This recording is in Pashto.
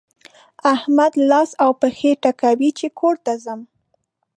احمد لاس و پښې ټکوي چې کور ته ځم.